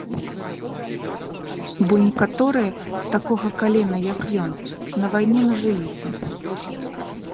Бо некаторыя, такога калена як ён, на вайне нажыліся.